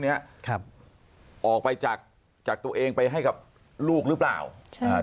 เนี้ยครับออกไปจากจากตัวเองไปให้กับลูกหรือเปล่าใช่อ่า